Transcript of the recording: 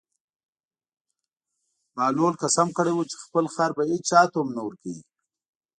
بهلول قسم کړی و چې خپل خر به هېچا ته هم نه ورکوي.